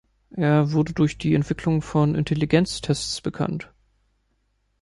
Er wurde durch die Entwicklung von Intelligenztests bekannt.